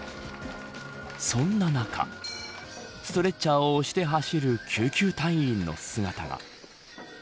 そんな中ストレッチャーを押して走る救急隊員の姿が。